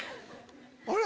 あれ？